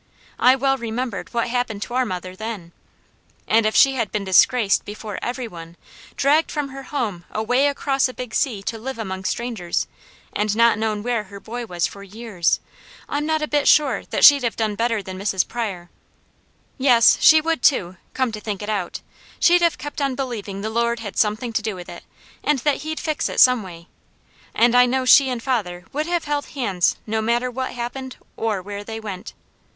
I well remembered what happened to our mother then. And if she had been disgraced before every one, dragged from her home away across a big sea to live among strangers, and not known where her boy was for years, I'm not a bit sure that she'd have done better than Mrs. Pryor. Yes, she would too; come to think it out she'd have kept on believing the Lord had something to do with it, and that He'd fix it some way; and I know she and father would have held hands no matter what happened or where they went.